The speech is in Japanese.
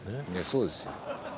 そうですよ。